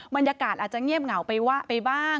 บรรยากาศอาจจะเงียบเหงาไปวะไปบ้าง